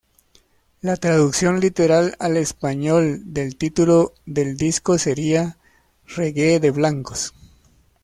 La traducción literal al español del título del disco sería "reggae de blancos".